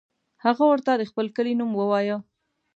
هغه ورته د خپل کلي نوم ووایه.